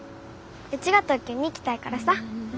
うちが東京に行きたいからさ。